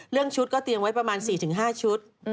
ชุดก็เตรียมไว้ประมาณ๔๕ชุด